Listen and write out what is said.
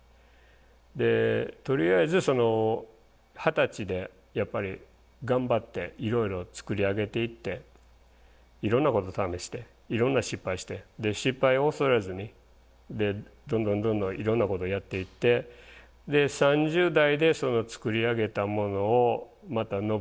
でとりあえず二十歳でやっぱり頑張っていろいろ作り上げていっていろんなこと試していろんな失敗してで失敗を恐れずにどんどんどんどんいろんなことやっていってで３０代で作り上げたものをまた伸ばして４０代で安定するという感じですね。